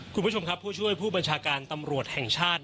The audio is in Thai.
คุณผู้ชมครับผู้ช่วยผู้บัญชาการตำรวจแห่งชาติ